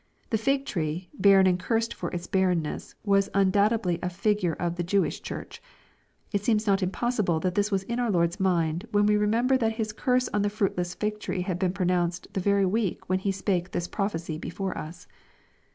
The fig tree, barren and cursed for its barrenness, was undoubtedly a figure of the Jewish Church. It seems not impos sible that this was in our Lord's mind, when we remember that His curse on the fruitless fig tree had been pronounced the very week when He spake this prophecy before us.